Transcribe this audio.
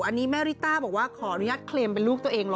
อันนี้แม่ริต้าบอกว่าขออนุญาตเคลมเป็นลูกตัวเองเหรอ